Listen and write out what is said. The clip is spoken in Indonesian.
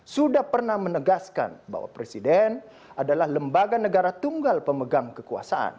sudah pernah menegaskan bahwa presiden adalah lembaga negara tunggal pemegang kekuasaan